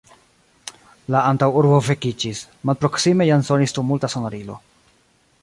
La antaŭurbo vekiĝis; malproksime jam sonis tumulta sonorilo.